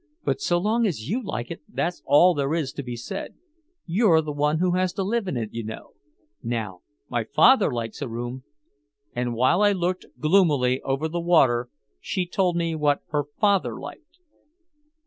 "But so long as you like it, that's all there is to be said. You're the one who has to live in it, you know. Now my father likes a room " And while I looked gloomily over the water she told me what her father liked.